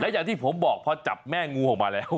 อย่างที่ผมบอกพอจับแม่งูออกมาแล้ว